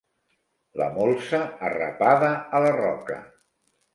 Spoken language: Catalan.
La molsa arrapada a la roca.